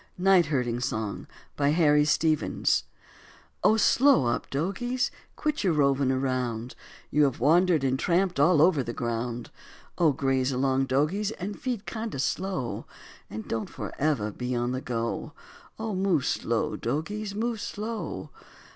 NIGHT HERDING SONG BY HARRY STEPHENS Oh, slow up, dogies, quit your roving round, You have wandered and tramped all over the ground; Oh, graze along, dogies, and feed kinda slow, And don't forever be on the go, Oh, move slow, dogies, move slow.